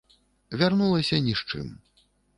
Вярнулася ні з чым.